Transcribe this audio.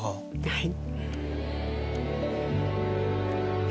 はい。